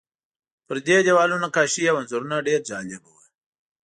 پر دې دیوالونو نقاشۍ او انځورونه ډېر جالب وو.